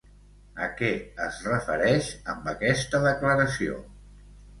A què es refereix amb aquesta declaració?